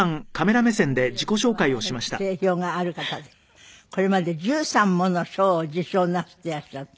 まあ演技力では大変定評がある方でこれまで１３もの賞を受賞なすっていらっしゃって。